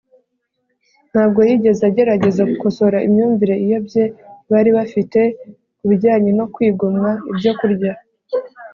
ntabwo yigeze agerageza gukosora imyumvire iyobye bari bafite ku bijyanye no kwigomwa ibyo kurya,